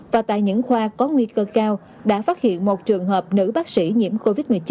và tại những khoa có nguy cơ cao đã phát hiện một trường hợp nữ bác sĩ nhiễm covid một mươi chín